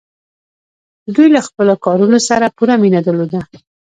دوی له خپلو کارونو سره پوره مینه درلوده.